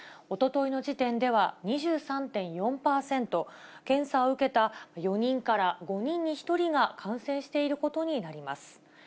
おとといの時点では２３．４％、検査を受けた４人から５人に１人が感染していることになります。